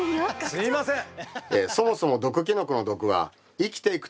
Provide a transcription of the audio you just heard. すいません！